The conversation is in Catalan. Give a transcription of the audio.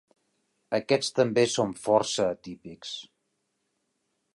Aquests també són força atípics.